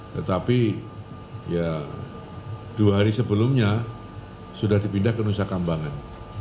tetapi ya dua hari sebelumnya sudah dipindah ke nusa kambangan